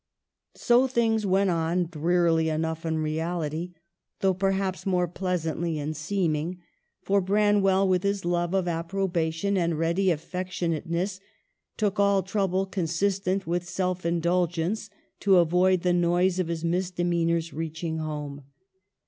GOING TO SCHOOL. 79 So things went on, drearily enough in reality, though perhaps more pleasantly in seeming — for Branwell, with his love of approbation and ready affectionateness, took all trouble consis tent with self indulgence to avoid the noise of his misdemeanors reaching home.